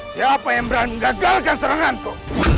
siapa yang berani gagalkan seranganku